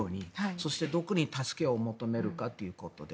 そして、どこに助けを求めるかということで。